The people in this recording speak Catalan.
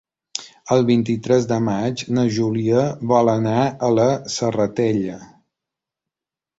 El vint-i-tres de maig na Júlia vol anar a la Serratella.